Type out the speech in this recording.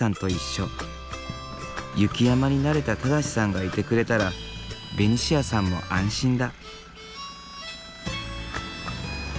雪山に慣れた正さんが居てくれたらベニシアさんも安心だ。